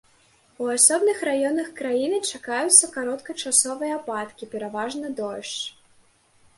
У асобных раёнах краіны чакаюцца кароткачасовыя ападкі, пераважна дождж.